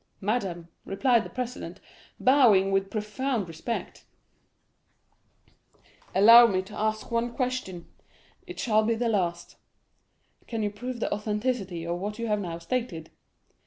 "'Madame,' replied the president, bowing with profound respect, 'allow me to ask one question; it shall be the last: Can you prove the authenticity of what you have now stated?